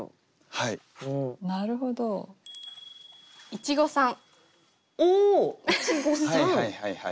はいはいはいはい。